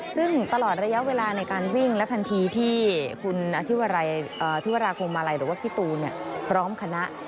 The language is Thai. ซึ่งตลอดระยะเวลาในการวิ่งและทันทีที่คุณธิวราคมมาลัยหรือว่าพี่ตูนพร้อมคณะ